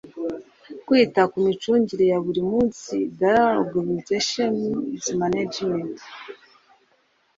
Kwita ku micungire ya buri munsi Daily organization s management